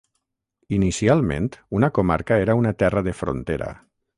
Inicialment una comarca era una terra de frontera.